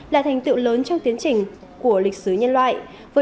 là thành tựu lớn trong tiến trình của lịch sử nhân loại